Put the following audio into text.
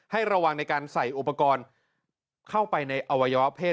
ระวังในการใส่อุปกรณ์เข้าไปในอวัยวะเพศ